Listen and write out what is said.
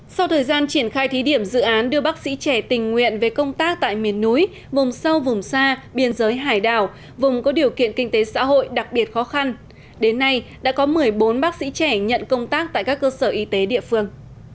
sau thời gian triển khai thí điểm dự án đưa bác sĩ trẻ tình nguyện về công tác tại miền núi vùng sâu vùng xa biên giới hải đảo vùng có điều kiện kinh tế xã hội đặc biệt khó khăn đến nay đã có một mươi bốn bác sĩ trẻ nhận công tác tại các cơ sở y tế địa phương